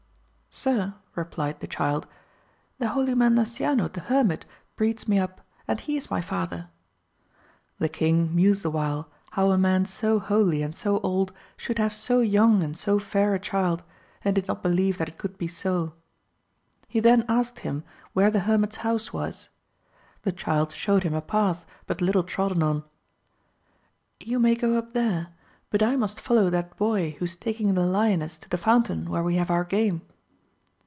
Sir, replied the child, the holy man Nasciano the hermit breeds me up and he is my father. The king mused awhile how a man so holy and so old should have so young AMADIS OF GAUL 267 and so fair a child^ and did not believe that it could be so ; he then asked him where the hermit's house was. The child showed him a path but little trodden, — ^you may go up there, but I must follow that boy who is taking the lioness to the fountain where we have our game.